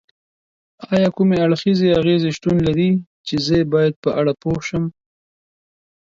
ایا کوم اړخیزې اغیزې شتون لري چې زه یې باید په اړه پوه شم؟